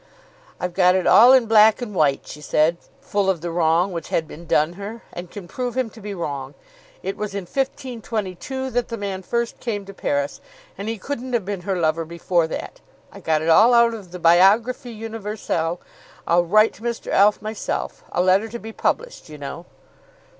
"I've got it all in black and white," she said, full of the wrong which had been done her, "and can prove him to be wrong. It was in 1522 that the man first came to Paris, and he couldn't have been her lover before that. I got it all out of the 'Biographie Universelle.' I'll write to Mr. Alf myself, a letter to be published, you know."